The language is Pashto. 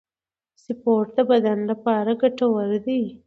سپورت د بدن لپاره ګټور دی